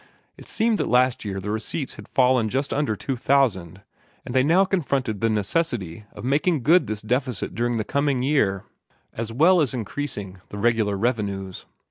It seemed that last year the receipts had fallen just under $2,000, and they now confronted the necessity of making good this deficit during the coming year, as well as increasing the regular revenues.